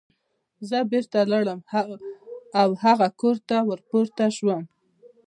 زه بېرته لاړم او هماغه کور ته ور پورته شوم